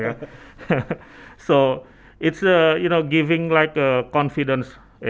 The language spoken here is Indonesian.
jadi ini memberikan kepercayaan